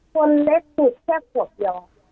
คนเล็กติดแค่ขวบเดียว